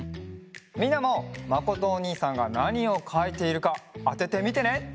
みんなもまことおにいさんがなにをかいているかあててみてね！